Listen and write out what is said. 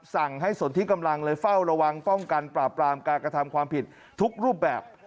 สั่งให้สนที่กำลังเลยเฝ้าระวังป้องกันปราบปรามการกระทำความผิดทุกรูปแบบ